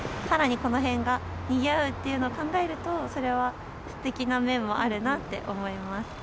さらにこの辺がにぎわうということを考えると、それはすてきな面もあるなって思います。